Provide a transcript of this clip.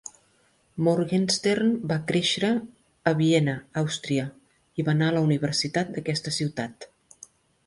Morgenstern va créixer a Viena, Àustria, i va anar a la universitat d'aquesta ciutat.